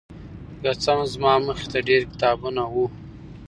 که څه هم زما مخې ته ډېر کتابونه وو